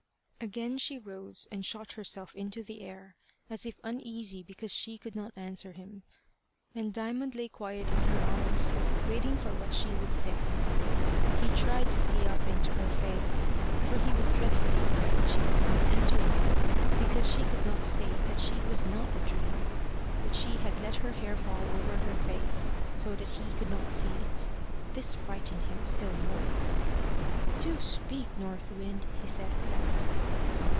Again she rose, and shot herself into the air, as if uneasy because she could not answer him; and Diamond lay quiet in her arms, waiting for what she would say. He tried to see up into her face, for he was dreadfully afraid she was not answering him because she could not say that she was not a dream; but she had let her hair fall all over her face so that he could not see it. This frightened him still more. "Do speak, North Wind," he said at last.